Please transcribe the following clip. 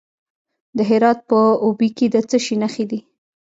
د هرات په اوبې کې د څه شي نښې دي؟